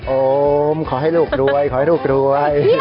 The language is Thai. โอมขอให้ลูกรวยขอให้ลูกรวย